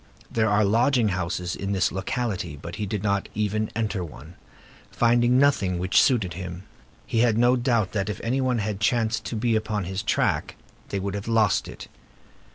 There are lodging houses in this locality, but he did not even enter one, finding nothing which suited him. He had no doubt that if any one had chanced to be upon his track, they would have lost it.